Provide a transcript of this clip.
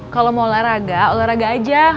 kalau mau olahraga olahraga aja